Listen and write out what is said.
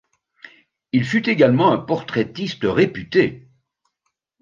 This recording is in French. Il fut également un portraitiste réputé.